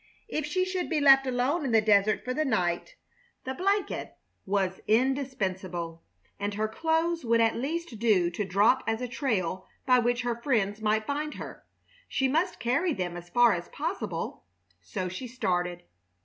If she should be left alone in the desert for the night the blanket was indispensable, and her clothes would at least do to drop as a trail by which her friends might find her. She must carry them as far as possible. So she started.